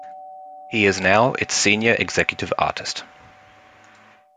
He is now its senior executive artist.